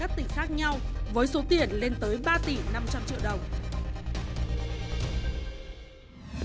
các tỉnh khác nhau với số tiền lên tới ba tỷ năm trăm linh triệu đồng